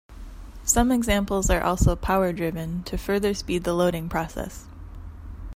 Some examples are also power-driven, to further speed the loading process.